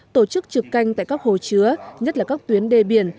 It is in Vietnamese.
tổ chức trực canh tại các hồ chứa nhất là các tuyến đê biển